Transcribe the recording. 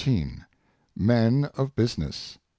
MEN OF BUSINESS.